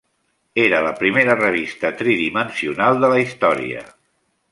Era la primera revista tridimensional de la història.